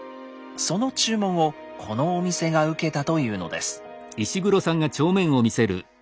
その注文をこのお店が受けたというのです。